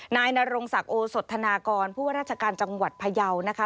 นายนรงศักดิ์โอสธนากรผู้ว่าราชการจังหวัดพยาวนะคะ